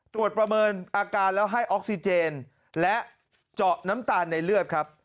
ประเมินอาการแล้วให้ออกซิเจนและเจาะน้ำตาลในเลือดครับ